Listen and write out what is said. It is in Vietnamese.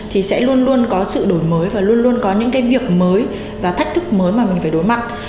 thì sẽ luôn luôn có sự đổi mới và luôn luôn có những cái việc mới và thách thức mới mà mình phải đối mặt